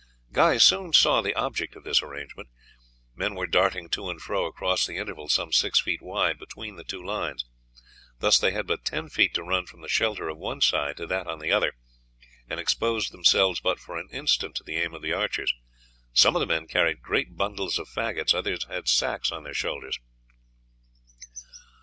Guy soon saw the object of this arrangement. Men were darting to and fro across the interval some six feet wide between the two lines. Thus they had but ten feet to run from the shelter on one side to that on the other, and exposed themselves but for an instant to the aim of the archers. Some of the men carried great bundles of faggots, others had sacks on their shoulders.